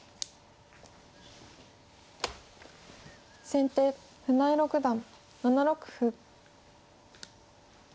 先手船江六段７六歩。